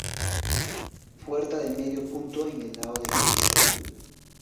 Puerta de medio punto en el lado de la Epístola.